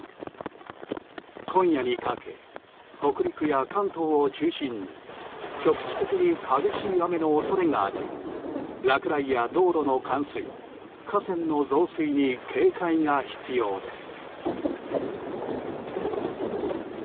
今夜にかけ北陸や関東を中心に局地的に激しい雨の恐れがあり落雷や道路の冠水河川の増水に警戒が必要です。